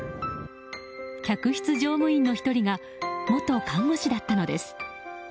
客室乗務員の１人が元看護師だったのです。